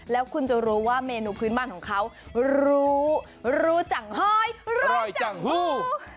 แล้วคุณจะรู้ว่าเมนูพื้นบ้านของเขารู้รู้จังห้อยรู้หอยจังฮู